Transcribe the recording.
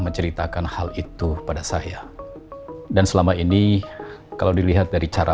menceritakan hal itu pada saya dan selama ini kalau dilihat dari cara